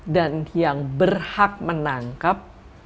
dan yang berhak menangkap